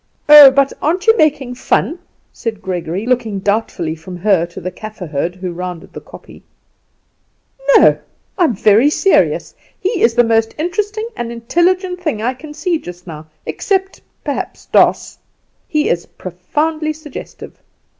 "Oh, but aren't you making fun?" said Gregory, looking doubtfully from her to the Kaffer herd, who rounded the kopje. "No; I am very serious. He is the most interesting and intelligent thing I can see just now, except, perhaps, Doss. He is profoundly suggestive.